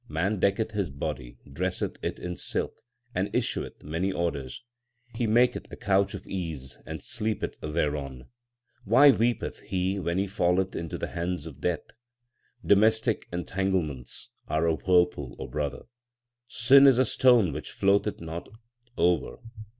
1 Man decketh his body, dresseth it in silk, And issueth many orders ; He maketh a couch of ease and sleepeth thereon. Why weepeth he when he f alleth into the hands of Death ? 2 Domestic entanglements are a whirlpool, O brother ; Sin is a stone which floateth not over.